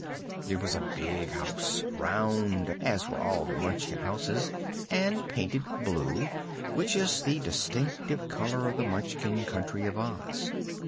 It was a big house, round, as were all the Munchkin houses, and painted blue, which is the distinctive color of the Munchkin Country of Oz.